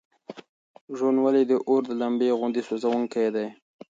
ژوند ولې د اور د لمبې غوندې سوزونکی دی؟